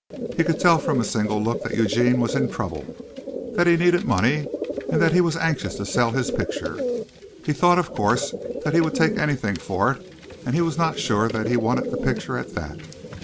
He could tell from a single look that Eugene was in trouble, that he needed money and that he was anxious to sell his picture. He thought of course that he would take anything for it and he was not sure that he wanted the picture at that.